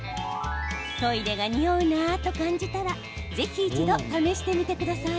トイレがにおうなと感じたらぜひ一度、試してみてください。